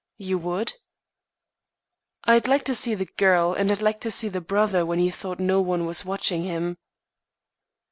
"You would?" "I'd like to see the girl and I'd like to see the brother when he thought no one was watching him."